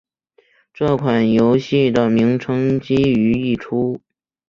这款游戏的名称基于一出。